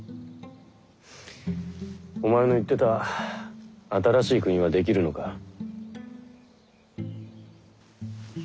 お前の言ってた新しい国はできるのか。